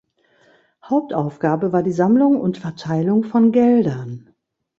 Hauptaufgabe war die Sammlung und Verteilung von Geldern.